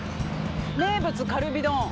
「名物カルビ丼」